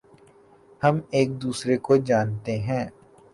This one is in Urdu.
ہم ایک دوسرے کو جانتے ہیں